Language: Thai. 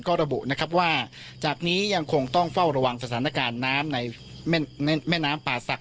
ก็ระบุนะครับว่าจากนี้ยังคงต้องเฝ้าระวังสถานการณ์น้ำในแม่น้ำป่าศักดิ